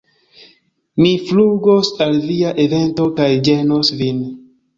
Mi flugos al via evento kaj ĝenos vin!